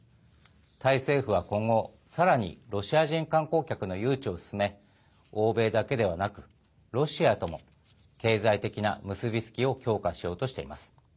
タイ政府は今後、さらにロシア人観光客の誘致を進め欧米だけではなくロシアとも経済的な結びつきを強化しようとしています。